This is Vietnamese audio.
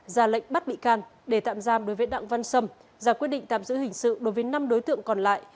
ra lệnh bắt bị can để tạm giam đối với đặng văn sâm ra quyết định tạm giữ hình sự đối với năm đối tượng còn lại